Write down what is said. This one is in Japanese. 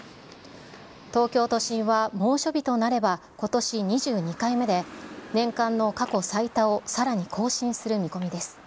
東京都心は猛暑日となれば、ことし２２回目で、年間の過去最多をさらに更新する見込みです。